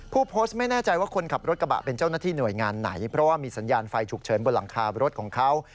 ผู้โพสต์ไม่แน่ใจว่าคนขับรถกระบะเป็นเจ้าหน้าที่หน่วยงานไหนเพราะว่ามีสัญญาณไฟฉุกเฉินบนหลังคารถของเขา